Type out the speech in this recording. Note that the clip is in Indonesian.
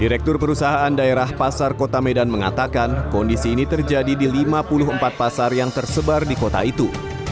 direktur perusahaan daerah pasar kota medan mengatakan kondisi ini terjadi di lima puluh empat pasar yang tersebar di kota itu